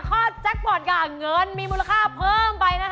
ข้อแจ็คบอร์ดก่างเงินมีมูลค่าเพิ่มไป